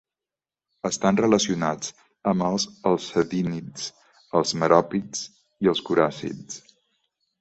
Estan relacionats amb els alcedínids, els meròpids i els coràcids.